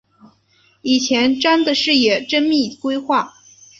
以前瞻的视野缜密规划